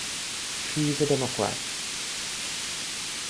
She is a Democrat.